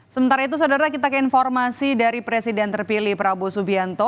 sementara itu saudara kita ke informasi dari presiden terpilih prabowo subianto